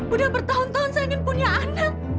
udah bertahun tahun saya ingin punya anak